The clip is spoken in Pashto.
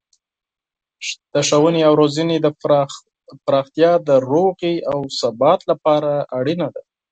د ښوونې او روزنې پراختیا د سولې او ثبات لپاره اړینه ده.